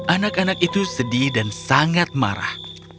anak anak itu sedih dan sangat marah